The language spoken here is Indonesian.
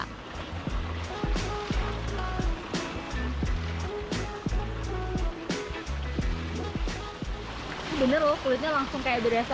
ini bener loh kulitnya langsung kayak berasa halus gitu